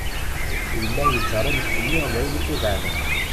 Yella yeẓẓar annect-nni d ayen i t-ibeɛden.